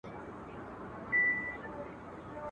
زه اړ نه یم چی را واخلم تصویرونه !.